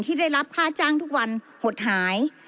ที่ได้รับค่าจ้างทุกวันหดหาย